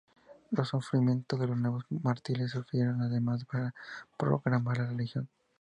Los sufrimientos de los nuevos mártires sirvieron además para propagar la religión.